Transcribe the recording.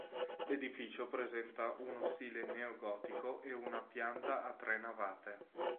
L'edificio presenta uno stile neogotico e una pianta a tre navate.